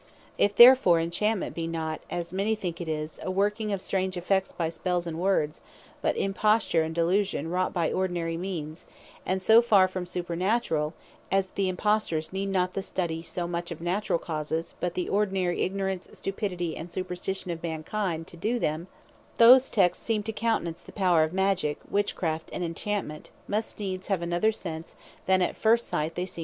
If therefore Enchantment be not, as many think it, a working of strange effects by spells, and words; but Imposture, and delusion, wrought by ordinary means; and so far from supernaturall, as the Impostors need not the study so much as of naturall causes, but the ordinary ignorance, stupidity, and superstition of mankind, to doe them; those texts that seem to countenance the power of Magick, Witchcraft, and Enchantment, must needs have another sense, than at first sight they seem to bear.